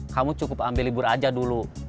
kamu cukup ambil libur aja dulu